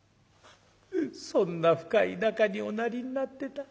「そんな深い仲におなりになってた。